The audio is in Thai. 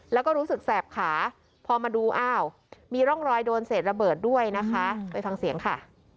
แล้วก็รู้สึกแสบขาพอมาดูอ้าวมีร่องรอยโดนเศษระเบิดด้วยนะคะไปฟังเสียงค่ะ